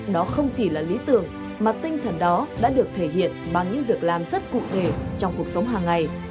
đó không chỉ là lý tưởng mà tinh thần đó đã được thể hiện bằng những việc làm rất cụ thể trong cuộc sống hàng ngày